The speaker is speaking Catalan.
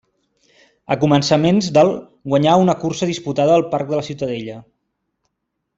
A començaments del guanyà una cursa disputada al Parc de la Ciutadella.